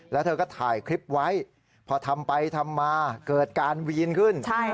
แล้วเธอก็ถ่ายคลิปไว้พอทำไปทำมาเกิดการวีนขึ้น